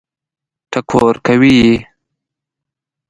ټکور کوي یې.